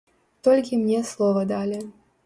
Толькі мне слова далі.